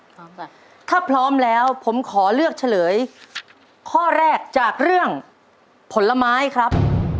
พร้อมจ้ะถ้าพร้อมแล้วผมขอเลือกเฉลยข้อแรกจากเรื่องผลไม้ครับ